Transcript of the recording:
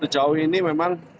sejauh ini memang